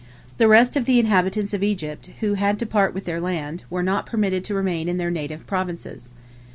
" The rest of the inhabitants of Egypt, who had to part with their land, were not permitted to remain in their native provinces.